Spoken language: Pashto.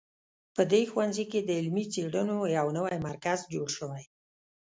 په دې ښوونځي کې د علمي څېړنو یو نوی مرکز جوړ شوی